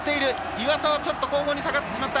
岩田は後方に下がってしまった。